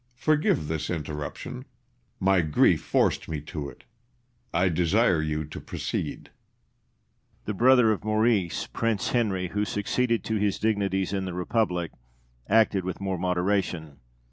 Forgive this interruption my grief forced me to it I desire you to proceed. De Witt. The brother of Maurice, Prince Henry, who succeeded to his dignities in the Republic, acted with more moderation.